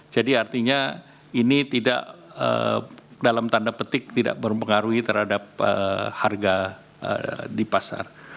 jadi artinya ini tidak dalam tanda petik tidak berpengaruhi terhadap harga di pasar